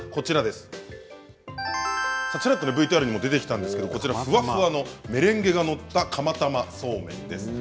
ＶＴＲにもちらっと出てきたんですがふわふわのメレンゲが載った釜玉そうめんです。